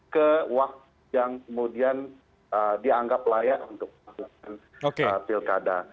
ke waktu yang kemudian dianggap layak untuk melakukan pilkada